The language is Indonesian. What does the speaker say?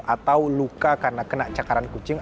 atau luka karena kena cakaran kucing